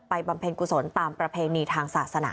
บำเพ็ญกุศลตามประเพณีทางศาสนา